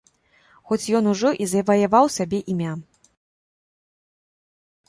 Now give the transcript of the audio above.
Хоць ён ужо і заваяваў сабе імя.